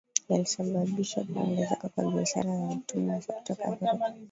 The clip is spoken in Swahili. yalisababisha kuongezeka kwa biashara ya watumwa hasa kutoka Afrika